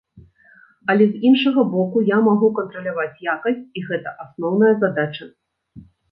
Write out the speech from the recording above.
Але, з іншага боку, я магу кантраляваць якасць, і гэта асноўная задача.